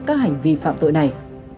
các hành vi phạm tội này